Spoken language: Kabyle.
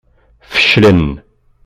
Feclen.